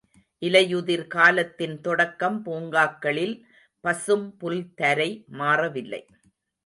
இலையுதிர் காலத்தின் தொடக்கம் பூங்காக்களில், பசும் புல் தரை மாறவில்லை.